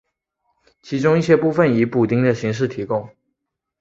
其中一些部分以补丁的形式提供。